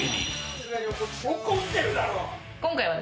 「怒ってるだろ」